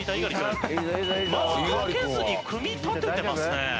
まずかけずに組み立ててますね。